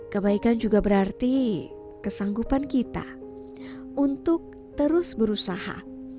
kebaikan juga berarti kesanggupan kita untuk terus berusaha